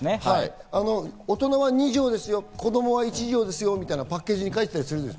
大人は２錠ですよ、子供は１錠ですよみたいなパッケージに書いてあったりする。